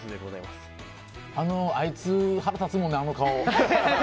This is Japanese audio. あいつ腹立つもんね、あの顔。